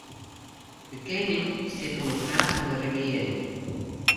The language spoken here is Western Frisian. De kening stiet oan it haad fan 'e regearing.